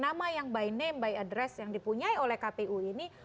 nama yang by name by address yang dipunyai oleh kpu ini